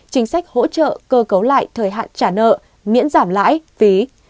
chính sách hỗ trợ cơ cấu lại thời hạn trả nợ miễn giảm lãi phí